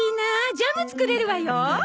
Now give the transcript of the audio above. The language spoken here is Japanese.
ジャム作れるわよ。